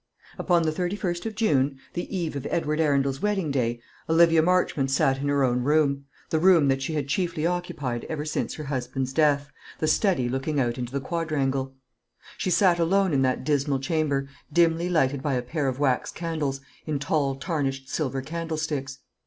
Upon the 31st of June, the eve of Edward Arundel's wedding day, Olivia Marchmont sat in her own room, the room that she had chiefly occupied ever since her husband's death, the study looking out into the quadrangle. She sat alone in that dismal chamber, dimly lighted by a pair of wax candles, in tall tarnished silver candlesticks.